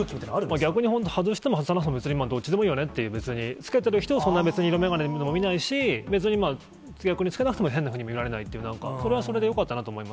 逆に、外しても外さなくても別にどっちでもいいよねっていう、別に、着けてる人をそんな色眼鏡でも見ないし、別に、逆に着けなくても変なふうに見られないっていう、なんか、それはそれでよかったなって思います。